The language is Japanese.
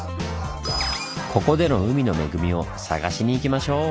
ここでの海の恵みを探しに行きましょう！